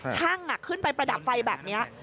ช่างขึ้นไปประดับไฟแบบนี้